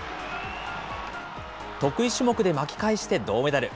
得意種目で巻き返して銅メダル。